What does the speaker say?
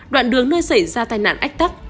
đoạn đường nơi xảy ra tai nạn ách tắc